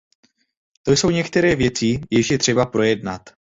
To jsou některé věci, jež je třeba projednat.